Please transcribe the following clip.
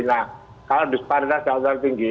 nah kalau disparitasnya terlalu tinggi